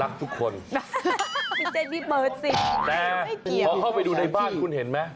ขอเข้าไปดูได้บ้านคุณเห็นไหม